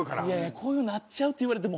「こういう風になっちゃう」って言われても。